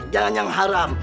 jangan yang haram